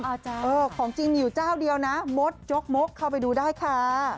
เออของจริงมีอยู่เจ้าเดียวนะมดจกมกเข้าไปดูได้ค่ะ